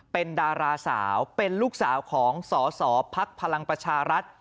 เป็นดาราสาวเป็นลูกสาวของสสพลังประชารัฐ